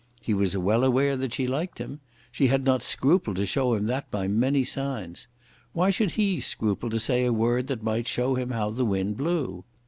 He was well aware that she liked him. She had not scrupled to show him that by many signs. Why should he scruple to say a word that might show him how the wind blew?